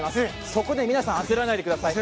そこで皆さん焦らないでください。